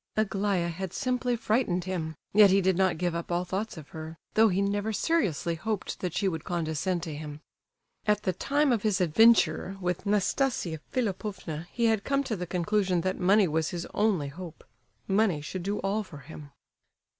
Aglaya had simply frightened him; yet he did not give up all thoughts of her—though he never seriously hoped that she would condescend to him. At the time of his "adventure" with Nastasia Philipovna he had come to the conclusion that money was his only hope—money should do all for him.